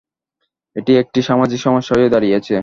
এটি একটি সামাজিক সমস্যা হয়ে দাঁড়িয়েছে।